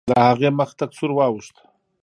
د هغې مخ تک سور واوښت.